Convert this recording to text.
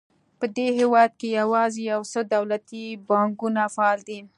په دې هېواد کې یوازې یو څو دولتي بانکونه فعال دي.